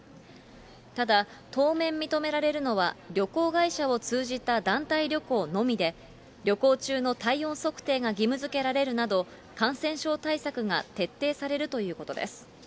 ただ当面、認められるのは、旅行会社を通じた団体旅行のみで、旅行中の体温測定が義務づけられるなど、感染症対策が徹底されるということです。